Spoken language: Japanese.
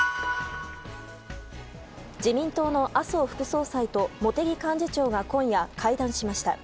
自民党の麻生副総裁と茂木幹事長が今夜会談しました。